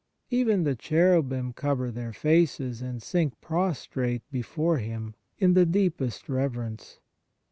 Even the Cherubim cover their faces and sink prostrate before Him, in the deepest reverence.